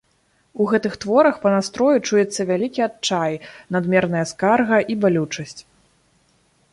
У гэтых творах па настрою чуецца вялікі адчай, надмерная скарга і балючасць.